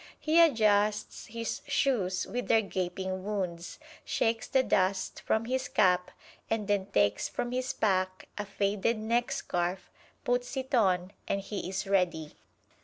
He adjusts his shoes with their gaping wounds, shakes the dust from his cap, and then takes from his pack a faded neckscarf, puts it on and he is ready.